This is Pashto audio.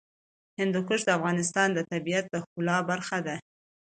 هندوکش د افغانستان د طبیعت د ښکلا برخه ده.